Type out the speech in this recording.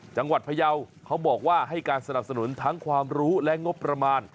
พยาวเขาบอกว่าให้การสนับสนุนทั้งความรู้และงบประมาณ